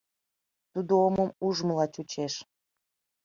Тудо омым ужмыла чучеш.